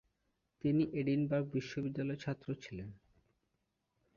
তিনি এডিনবার্গ বিশ্ববিদ্যালয়ের ছাত্র ছিলেন।